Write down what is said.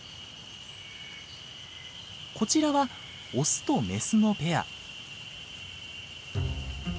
こちらはオスとメスのペア。